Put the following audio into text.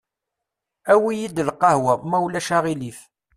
Awi-yi-d lqehwa, ma ulac aɣilif.